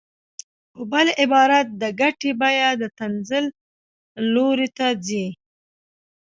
په بل عبارت د ګټې بیه د تنزل لوري ته ځي